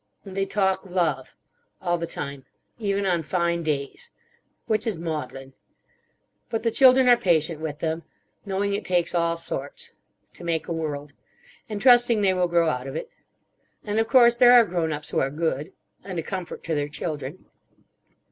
And they talk love. All the time. Even on fine days. Which is maudlin. But the children are patient with them. Knowing it takes all sorts. To make a world. And trusting they will grow out of it. And of course there are grown ups who are good. And a comfort to their children.